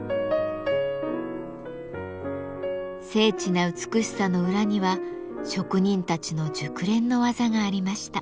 精緻な美しさの裏には職人たちの熟練の技がありました。